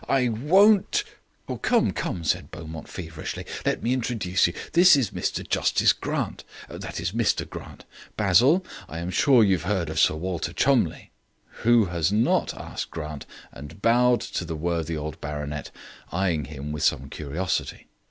I won't " "Come, come," said Beaumont feverishly. "Let me introduce you. This is Mr Justice Grant that is, Mr Grant. Basil, I am sure you have heard of Sir Walter Cholmondeliegh." "Who has not?" asked Grant, and bowed to the worthy old baronet, eyeing him with some curiosity.